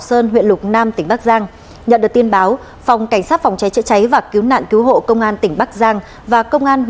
so với năm ngoái thì giảm hơn bảy mươi